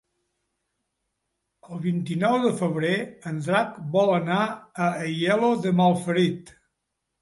El vint-i-nou de febrer en Drac vol anar a Aielo de Malferit.